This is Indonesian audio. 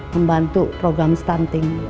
membantu program stunting